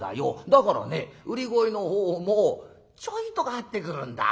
だからね売り声の方もちょいと変わってくるんだ。